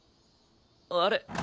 あれ？